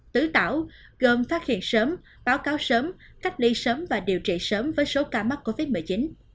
tứ tảo gồm phát hiện sớm báo cáo sớm cách ly sớm và điều trị sớm với số ca mắc covid một mươi chín